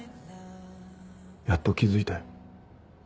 やっと気付いたよ。